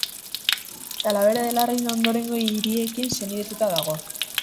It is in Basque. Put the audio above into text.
Talavera de la Reina ondorengo hiriekin senidetuta dago.